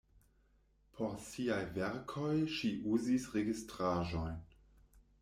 Por siaj verkoj ŝi uzis registraĵojn.